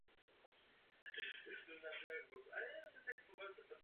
Dnes se místo nachází pod hladinou vodní nádrže Skalka.